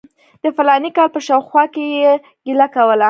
د فلاني کال په شاوخوا کې یې ګیله کوله.